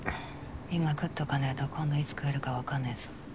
今食っとかねぇと今度いつ食えるか分かんねぇぞ。